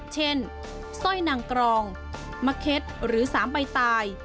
เช่นสร้อยนางกรองมะเข็ดหรือสามใบตาย